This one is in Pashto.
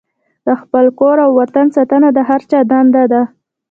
د خپل کور او وطن ساتنه د هر چا دنده ده.